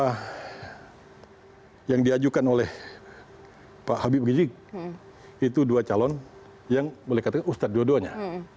nah yang diajukan oleh pak habib rizik itu dua calon yang boleh katakan ustadz dua duanya